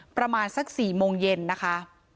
ประมาณสัก๔โมงเย็นนะคะ